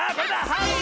はい。